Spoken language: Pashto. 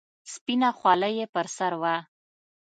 سپينه خولۍ يې پر سر وه.